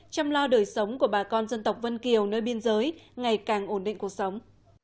chăm lo đời sống của bà con dân tộc vân kiều nơi biên giới ngày càng ổn định cuộc sống